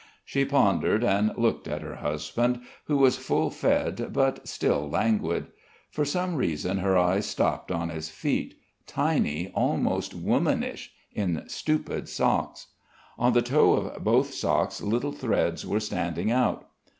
She pondered and looked at her husband, who was full fed but still languid. For some reason her eyes stopped on his feet, tiny, almost womanish, in stupid socks. On the toe of both socks little threads were standing out.